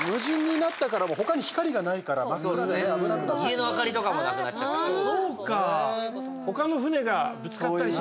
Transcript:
家の明かりとかもなくなっちゃうから。